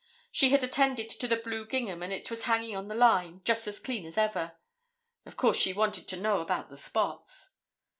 She had attended to the blue gingham and it was hanging on the line, just as clean as ever. Of course she wanted to know about the spots.